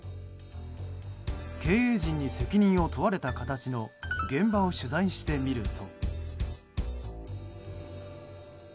経営陣に責任を問われた形の現場を取材してみると。